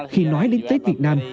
khi nói đến tết việt nam